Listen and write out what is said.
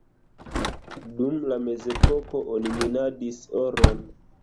Dum la mezepoko oni minadis oron.